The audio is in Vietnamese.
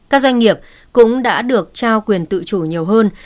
các doanh nghiệp cũng đã được trao quyền tự chủ nhiều hơn